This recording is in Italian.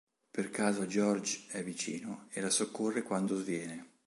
Per caso George è vicino e la soccorre quando sviene.